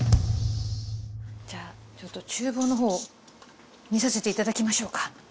じゃあちょっと厨房のほうを見させていただきましょうか。